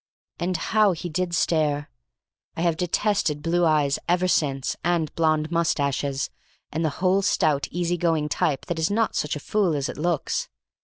And how he did stare! I have detested blue eyes ever since, and blonde moustaches, and the whole stout easy going type that is not such a fool as it looks.